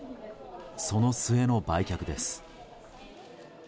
その末の売却です。